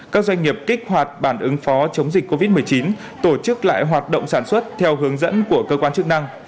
các doanh nghiệp kích hoạt bản ứng phó chống dịch covid một mươi chín tổ chức lại hoạt động sản xuất theo hướng dẫn của cơ quan chức năng